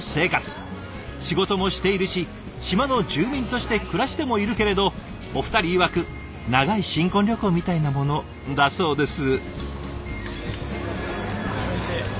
仕事もしているし島の住民として暮らしてもいるけれどお二人いわく「長い新婚旅行みたいなもの」だそうです。